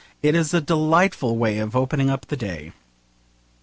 It is a delightful way of opening the day.